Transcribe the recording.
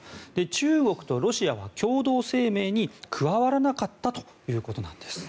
中国とロシアは共同声明に加わらなかったということです。